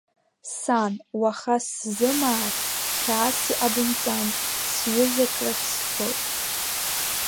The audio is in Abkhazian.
Сан, уаха сзымаар, хьаас иҟабымҵан, сҩызак лахь сцоит…